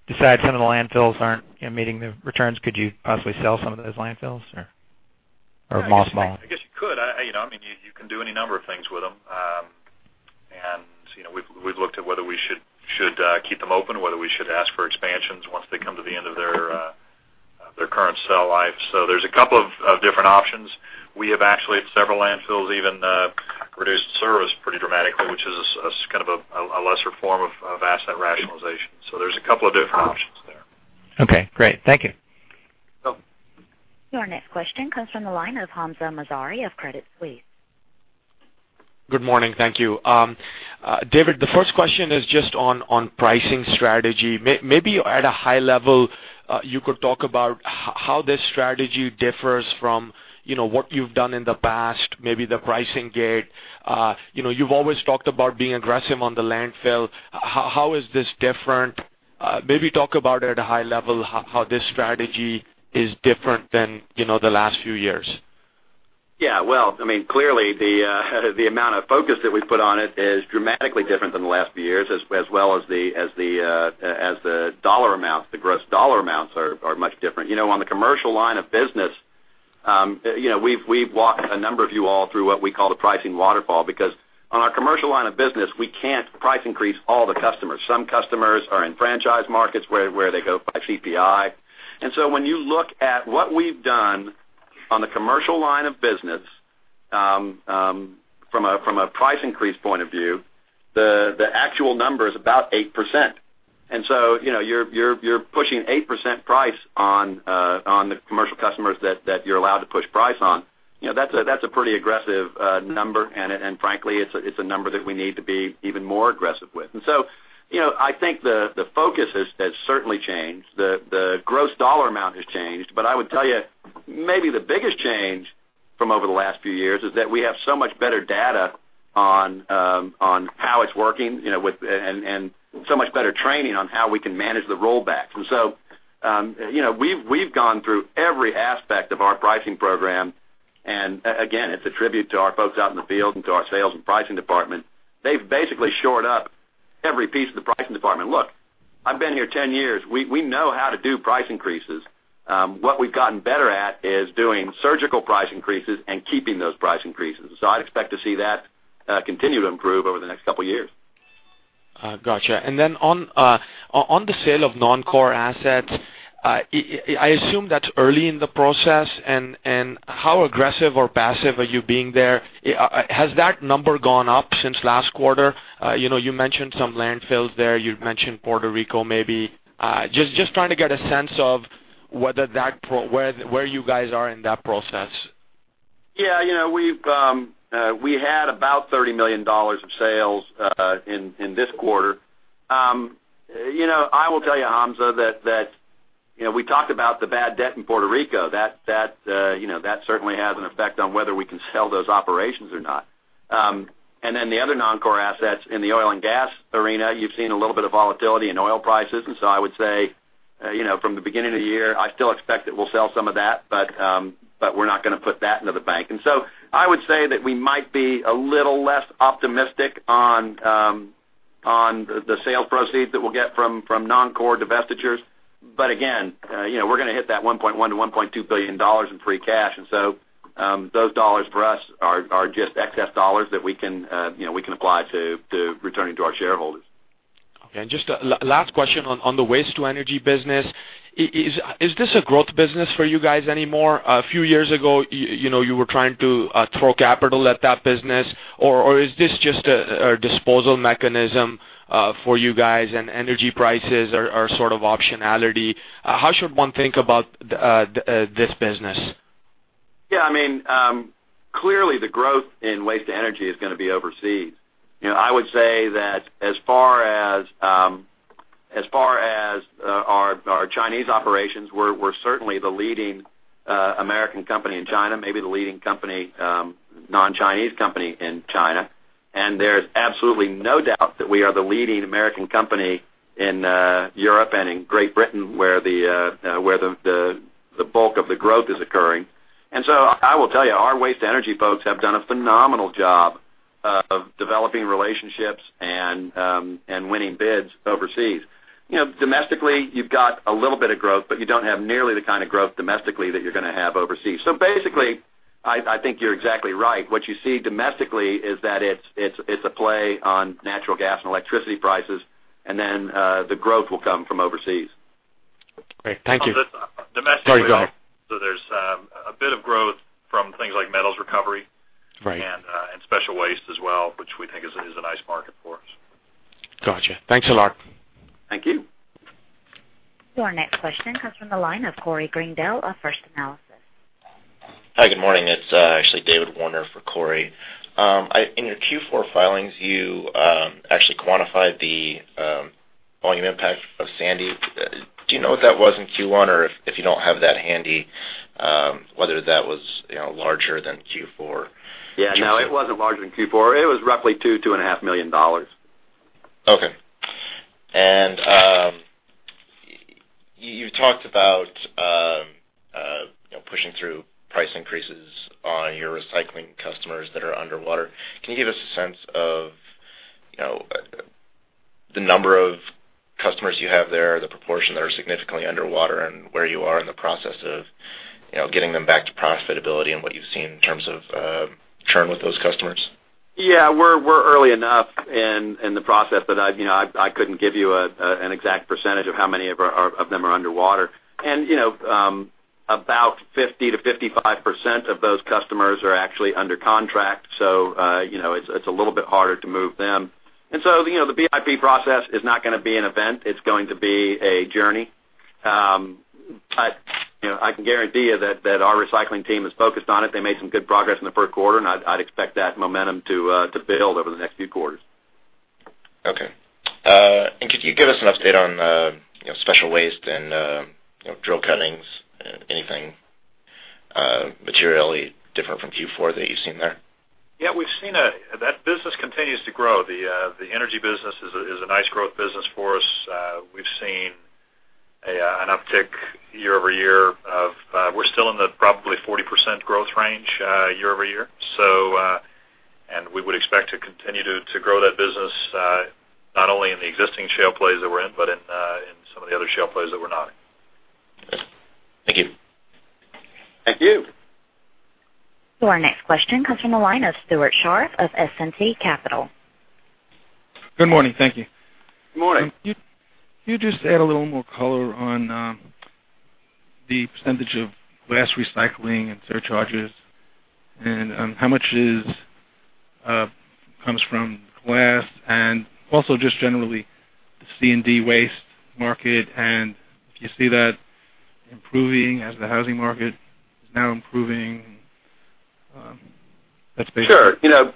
decide some of the landfills aren't meeting the returns, could you possibly sell some of those landfills or mothball? I guess you could. You can do any number of things with them. We've looked at whether we should keep them open, whether we should ask for expansions once they come to the end of their current cell life. There's a couple of different options. We have actually, at several landfills, even reduced service pretty dramatically, which is kind of a lesser form of asset rationalization. There's a couple of different options there. Okay, great. Thank you. You're welcome. Your next question comes from the line of Hamza Mazari of Credit Suisse. Good morning. Thank you. David, the first question is just on pricing strategy. Maybe at a high level, you could talk about how this strategy differs from what you've done in the past, maybe the pricing gate. You've always talked about being aggressive on the landfill. How is this different? Maybe talk about it at a high level, how this strategy is different than the last few years. Well, clearly, the amount of focus that we put on it is dramatically different than the last few years, as well as the dollar amount, the gross dollar amounts are much different. On the commercial line of business, we've walked a number of you all through what we call the pricing waterfall, because on our commercial line of business, we can't price increase all the customers. Some customers are in franchise markets where they go by CPI. When you look at what we've done on the commercial line of business from a price increase point of view, the actual number is about 8%. You're pushing 8% price on the commercial customers that you're allowed to push price on. That's a pretty aggressive number, and frankly, it's a number that we need to be even more aggressive with. I think the focus has certainly changed. The gross dollar amount has changed. I would tell you, maybe the biggest change from over the last few years is that we have so much better data on how it's working, and so much better training on how we can manage the rollbacks. We've gone through every aspect of our pricing program, and again, it's a tribute to our folks out in the field and to our sales and pricing department. They've basically shored up every piece of the pricing department. Look, I've been here 10 years. We know how to do price increases. What we've gotten better at is doing surgical price increases and keeping those price increases. I'd expect to see that continue to improve over the next couple of years. Got you. On the sale of non-core assets, I assume that's early in the process, and how aggressive or passive are you being there? Has that number gone up since last quarter? You mentioned some landfills there. You mentioned Puerto Rico, maybe. Just trying to get a sense of where you guys are in that process. Yeah. We had about $30 million of sales in this quarter. I will tell you, Hamza, that we talked about the bad debt in Puerto Rico. That certainly has an effect on whether we can sell those operations or not. The other non-core assets in the oil and gas arena, you've seen a little bit of volatility in oil prices. I would say, from the beginning of the year, I still expect that we'll sell some of that, but we're not going to put that into the bank. I would say that we might be a little less optimistic on the sale proceeds that we'll get from non-core divestitures. But again we're going to hit that $1.1 billion-$1.2 billion in free cash, those dollars for us are just excess dollars that we can apply to returning to our shareholders. Okay. Just a last question on the waste to energy business. Is this a growth business for you guys anymore? A few years ago, you were trying to throw capital at that business, or is this just a disposal mechanism for you guys and energy prices are sort of optionality? How should one think about this business? Yeah. Clearly, the growth in waste to energy is going to be overseas. I would say that as far as our Chinese operations, we're certainly the leading American company in China, maybe the leading non-Chinese company in China, and there's absolutely no doubt that we are the leading American company in Europe and in Great Britain, where the bulk of the growth is occurring. I will tell you, our waste energy folks have done a phenomenal job of developing relationships and winning bids overseas. Domestically, you've got a little bit of growth, but you don't have nearly the kind of growth domestically that you're going to have overseas. I think you're exactly right. What you see domestically is that it's a play on natural gas and electricity prices, the growth will come from overseas. Great. Thank you. Domestically- Sorry, go ahead. There's a bit of growth from things like metals recovery- Right Special waste as well, which we think is a nice market for us. Got you. Thanks a lot. Thank you. Your next question comes from the line of Corey Greendale of First Analysis. Hi, good morning. It's actually David Warner for Corey. In your Q4 filings, you actually quantified the volume impact of Sandy. Do you know what that was in Q1? Or if you don't have that handy, whether that was larger than Q4? Yeah, no, it wasn't larger than Q4. It was roughly $2 million-$2.5 million. Okay. You talked about pushing through price increases on your recycling customers that are underwater. Can you give us a sense of the number of customers you have there, the proportion that are significantly underwater, and where you are in the process of getting them back to profitability and what you've seen in terms of churn with those customers? Yeah, we're early enough in the process, but I couldn't give you an exact % of how many of them are underwater. About 50%-55% of those customers are actually under contract, it's a little bit harder to move them. The BIP process is not going to be an event. It's going to be a journey. I can guarantee you that our recycling team is focused on it. They made some good progress in the first quarter, I'd expect that momentum to build over the next few quarters. Okay. Could you give us an update on special waste and drill cuttings? Anything materially different from Q4 that you've seen there? Yeah, that business continues to grow. The energy business is a nice growth business for us. We've seen an uptick year over year. We're still in the probably 40% growth range year over year. We would expect to continue to grow that business, not only in the existing shale plays that we're in, but in some of the other shale plays that we're not in. Thank you. Thank you. Your next question comes from the line of Scott Scharf of S&T Capital. Good morning. Thank you. Good morning. Can you just add a little more color on the % of glass recycling and surcharges, and how much comes from glass? Also just generally the C&D waste market, and do you see that improving as the housing market is now improving? That's basically it. Sure.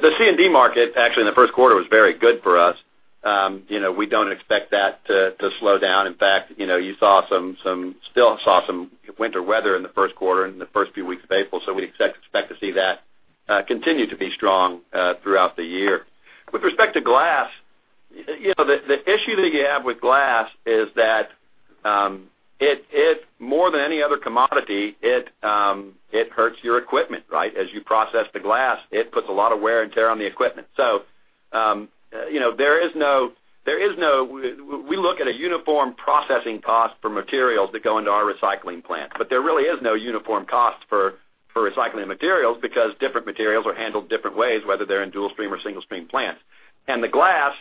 The C&D market, actually in the first quarter, was very good for us. We don't expect that to slow down. In fact, you still saw some winter weather in the first quarter and in the first few weeks of April. We expect to see that continue to be strong throughout the year. With respect to glass, the issue that you have with glass is that more than any other commodity, it hurts your equipment, right? As you process the glass, it puts a lot of wear and tear on the equipment. We look at a uniform processing cost for materials that go into our recycling plant, but there really is no uniform cost for recycling materials because different materials are handled different ways, whether they're in dual-stream or single-stream plants. The glass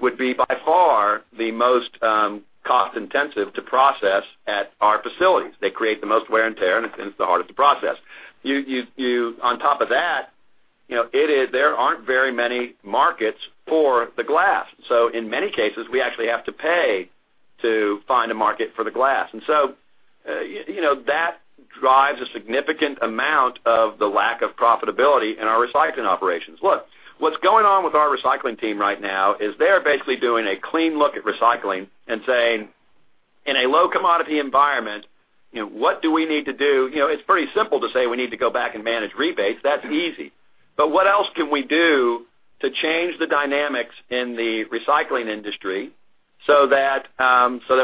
would be by far the most cost-intensive to process at our facilities. They create the most wear and tear, it's the hardest to process. On top of that, there aren't very many markets for the glass. In many cases, we actually have to pay to find a market for the glass. That drives a significant amount of the lack of profitability in our recycling operations. Look, what's going on with our recycling team right now is they're basically doing a clean look at recycling and saying, "In a low commodity environment, what do we need to do?" It's pretty simple to say we need to go back and manage rebates. That's easy. What else can we do to change the dynamics in the recycling industry so that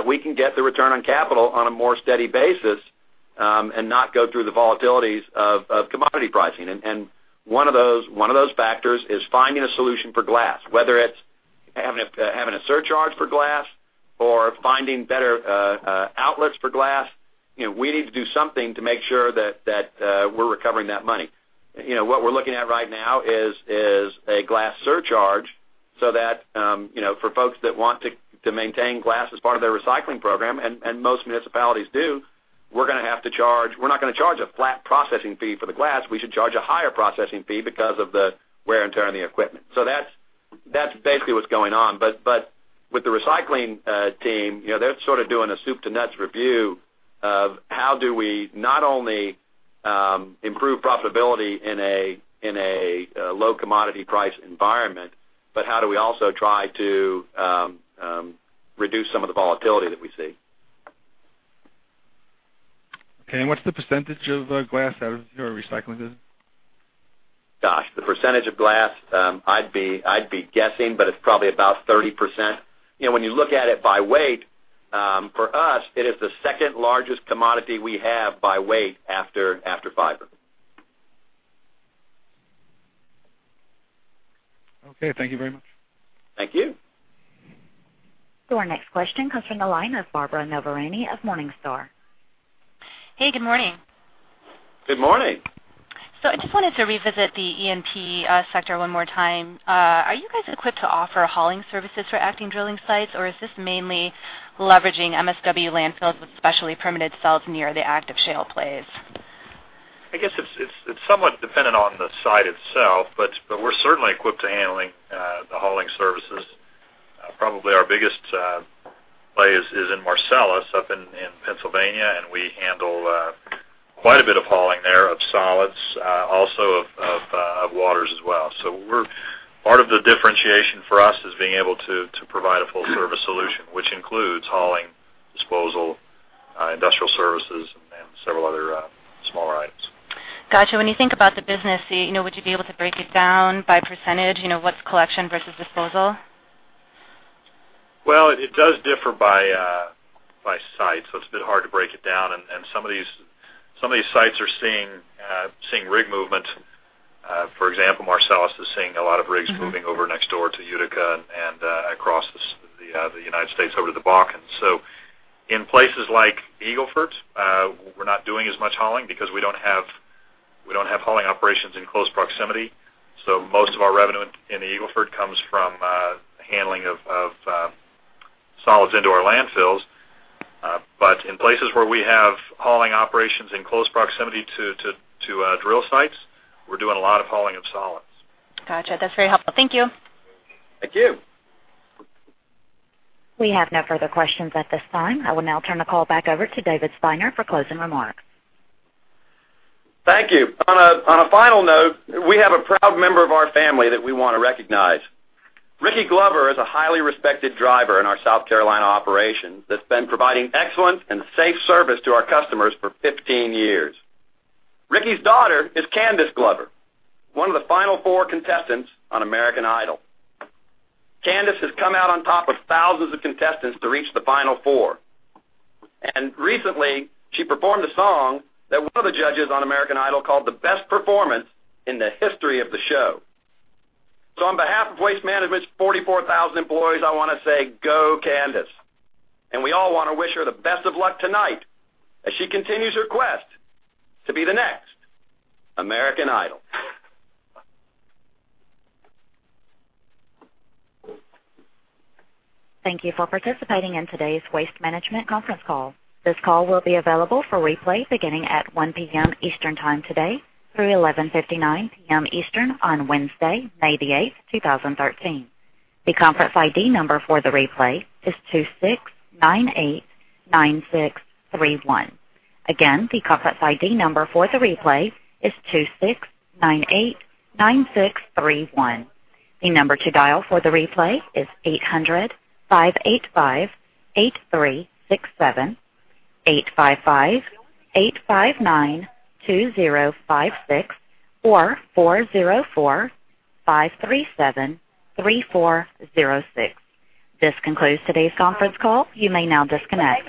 we can get the return on capital on a more steady basis and not go through the volatilities of commodity pricing? One of those factors is finding a solution for glass, whether it's having a surcharge for glass or finding better outlets for glass. We need to do something to make sure that we're recovering that money. What we're looking at right now is a glass surcharge so that for folks that want to maintain glass as part of their recycling program, and most municipalities do, we're not going to charge a flat processing fee for the glass. We should charge a higher processing fee because of the wear and tear on the equipment. That's basically what's going on, but with the recycling team, they're sort of doing a soup to nuts review of how do we not only improve profitability in a low commodity price environment, but how do we also try to reduce some of the volatility that we see. Okay, what's the percentage of glass out of your recycling business? Gosh, the percentage of glass, I'd be guessing, it's probably about 30%. When you look at it by weight, for us, it is the second largest commodity we have by weight after fiber. Okay, thank you very much. Thank you. Our next question comes from the line of Barbara Noverini of Morningstar. Hey, good morning. Good morning. I just wanted to revisit the E&P sector one more time. Are you guys equipped to offer hauling services for active drilling sites, or is this mainly leveraging MSW landfills with specially permitted cells near the active shale plays? I guess it's somewhat dependent on the site itself, but we're certainly equipped to handling the hauling services. Probably our biggest play is in Marcellus up in Pennsylvania, and we handle quite a bit of hauling there of solids, also of waters as well. Part of the differentiation for us is being able to provide a full-service solution, which includes hauling, disposal, industrial services, and several other smaller items. Got you. When you think about the business, would you be able to break it down by percentage? What's collection versus disposal? It does differ by site, it's a bit hard to break it down, some of these sites are seeing rig movement. For example, Marcellus is seeing a lot of rigs moving over next door to Utica and across the U.S. over to the Bakken. In places like Eagle Ford, we're not doing as much hauling because we don't have hauling operations in close proximity. Most of our revenue in Eagle Ford comes from the handling of solids into our landfills. In places where we have hauling operations in close proximity to drill sites, we're doing a lot of hauling of solids. Got you. That's very helpful. Thank you. Thank you. We have no further questions at this time. I will now turn the call back over to David Steiner for closing remarks. Thank you. On a final note, we have a proud member of our family that we want to recognize. Ricky Glover is a highly respected driver in our South Carolina operation that's been providing excellent and safe service to our customers for 15 years. Ricky's daughter is Candice Glover, one of the final four contestants on "American Idol." Candice has come out on top of thousands of contestants to reach the final four. Recently, she performed a song that one of the judges on "American Idol" called the best performance in the history of the show. On behalf of Waste Management's 44,000 employees, I want to say, go Candice. We all want to wish her the best of luck tonight as she continues her quest to be the next American Idol. Thank you for participating in today's Waste Management conference call. This call will be available for replay beginning at 1:00 P.M. Eastern time today through 11:59 P.M. Eastern on Wednesday, May the eighth, 2013. The conference ID number for the replay is 26989631. Again, the conference ID number for the replay is 26989631. The number to dial for the replay is 800-585-8367, 855-859-2056 or 404-537-3406. This concludes today's conference call. You may now disconnect.